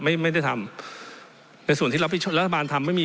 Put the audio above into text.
ไม่ได้ทำในส่วนที่รับผิดชอบรัฐบาลทำไม่มี